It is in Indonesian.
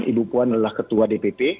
ibu puan adalah ketua dpp